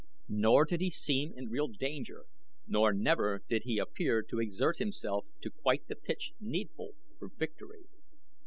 Never did he seem in real danger, nor never did he appear to exert himself to quite the pitch needful for victory.